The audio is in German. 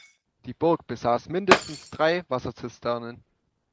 Die Burg besass mindestens drei Wasser-Zisternen.